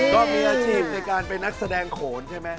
ก็มีอาชีพในการเป็นนักแสดงโขนใช่ไหม